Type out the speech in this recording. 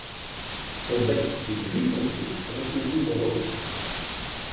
Son bec est gris foncé avec le bout rose.